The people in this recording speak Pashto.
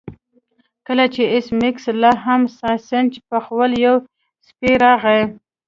کله چې ایس میکس لاهم ساسج پخول یو سپی راغی